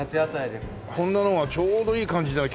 こんなのはちょうどいい感じだよ